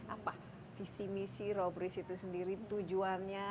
apa visi misi robris itu sendiri tujuannya